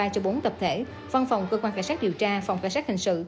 cho bốn tập thể văn phòng cơ quan cảnh sát điều tra phòng cảnh sát hình sự